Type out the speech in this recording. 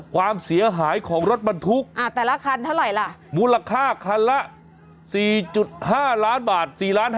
ความเสียหายของรถบรรทุกมูลค่าคันละ๔๕ล้านบาท๔๕แสน